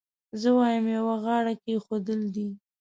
زه وایم یو غاړه کېښودل دي.